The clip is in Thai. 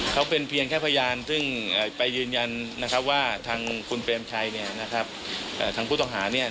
เขาเป็นเพียงแค่พยานซึ่งไปยืนยันว่าทางคุณเปรมชัยทางผู้ต่อหา